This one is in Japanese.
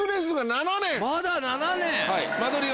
まだ７年！